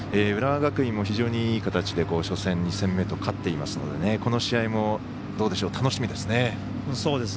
浦和学院も非常にいい形で初戦、２戦目と勝っていますのでこの試合も楽しみですね。